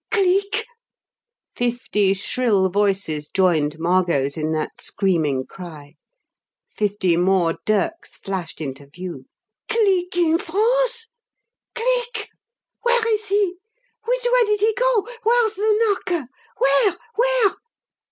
"Cleek!" Fifty shrill voices joined Margot's in that screaming cry; fifty more dirks flashed into view. "Cleek in France? Cleek? Where is he? Which way did he go? Where's the narker where where?"